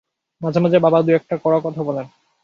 মাঝে-মাঝে বাবা দুই-একটা কড়া কথা বলেন।